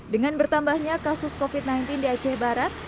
dengan bertambahnya kasus covid sembilan belas di aceh barat